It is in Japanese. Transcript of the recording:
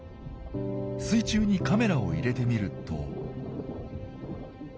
水中にカメラを入れてみると。